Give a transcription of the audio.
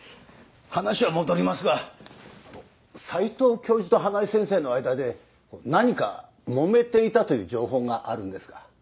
話は戻りますが斎藤教授と花井先生の間で何かもめていたという情報があるんですが。